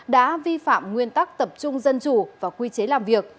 đã vi phạm nguyên tắc tập trung dân chủ và quy chế làm việc